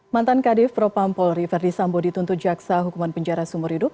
mantan kadif propam polri verdi sambo dituntut jaksa hukuman penjara sumur hidup